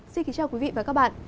xin kính chào quý vị và các bạn